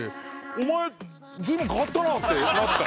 お前ずいぶん変わったなってなった。